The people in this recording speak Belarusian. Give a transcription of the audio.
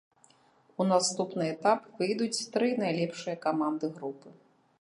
У наступны этап выйдуць тры найлепшыя каманды групы.